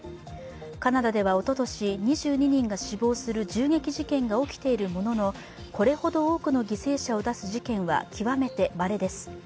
カナダではおととし、２２人が死亡する銃撃事件が起きているもののこれほど多くの犠牲者を出す事件は極めてまれです。